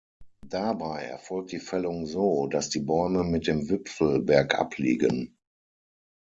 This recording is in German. Dabei erfolgt die Fällung so, dass die Bäume mit dem Wipfel bergab liegen.